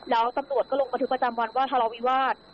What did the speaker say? แล้วตำรวจก็ลงบันทึกประจำวันว่าทะเลาวิวาส